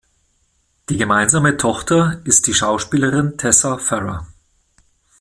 Die gemeinsame Tochter ist die Schauspielerin Tessa Ferrer.